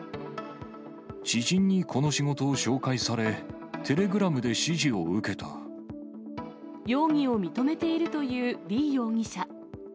知人にこの仕事を紹介され、容疑を認めているという李容疑者。